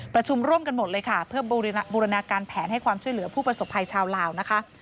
ประชุมร่วมกันหมดเลยค่ะเพื่อบูรณาการแผนให้ความช่วยเหลือผู้ประสบภัยชาวลาวนะคะ